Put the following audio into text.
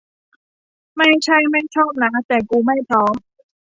ไม่ใช่ไม่ชอบนะ แต่กูไม่พร้อม